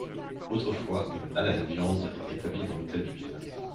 Autrefois, une halle à la viande était établie dans l'hôtel de ville.